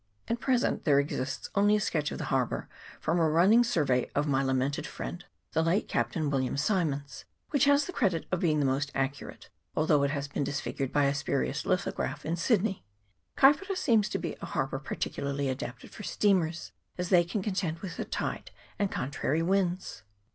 At present there exists only a sketch of the har bour from a running survey of my lamented friend the late Captain William Symonds, which has the credit of being the most accurate, although it has been disfigured by a spurious lithograph in Sydney. Kaipara seems to be a harbour particularly adapted for steamers, as they can contend with the tide and contrary winds.